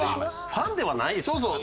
ファンではないですからね。